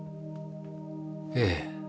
ええ。